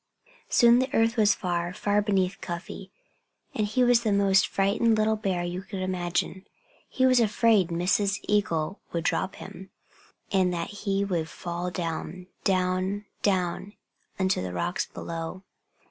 Soon the earth was far, far beneath Cuffy. And he was the most frightened little bear you could imagine. He was afraid Mrs. Eagle would drop him, and that he would fall down, down, down onto the rocks below.